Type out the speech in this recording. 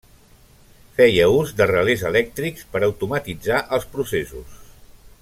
Feia ús de relés elèctrics per automatitzar els processos.